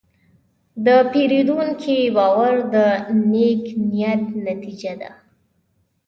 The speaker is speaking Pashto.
د پیرودونکي باور د نیک نیت نتیجه ده.